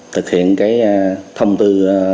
thực hiện cái thông tư một